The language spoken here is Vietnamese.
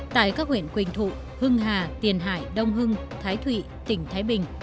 tại các huyện quỳnh thụ hưng hà tiền hải đông hưng thái thụy tỉnh thái bình